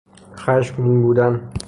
خشمگین بودن